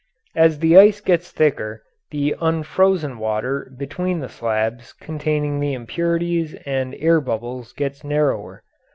As the ice gets thicker the unfrozen water between the slabs containing the impurities and air bubbles gets narrower.